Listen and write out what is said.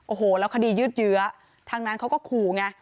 โอ้โหแล้วคดียืดเยื้อทางนั้นเขาก็ขู่ไง